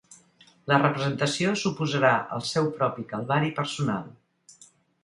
La representació suposarà el seu propi calvari personal.